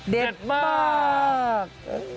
เด็ดมาก